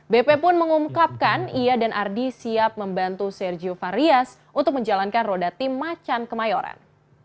bp pun mengungkapkan ia dan ardi siap membantu sergio varias untuk menjalankan roda tim macan kemayoran